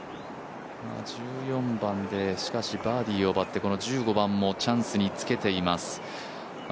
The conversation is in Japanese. １４番でしかし、バーディーを奪ってこの１５番もチャンスにつけています。